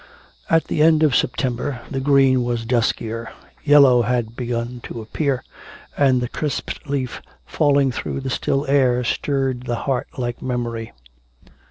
At the end of September the green was duskier, yellow had begun to appear; and the crisped leaf falling through the still air stirred the heart like a memory.